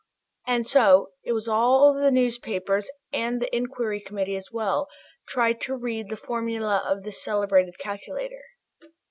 And so it was that all the newspapers, and the Inquiry Committee as well, tried to read the formulae of this celebrated calculator.